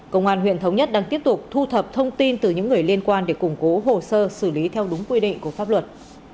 công an huyện thống nhất đang tiếp tục thu thập thông tin từ những người liên quan để củng cố hồ sơ xử lý theo đúng quy định của pháp luật